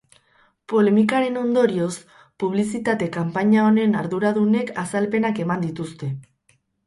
Polemikaren ondorioz, publizitate kanpaina honen arduradunek azalpenak eman dituzte.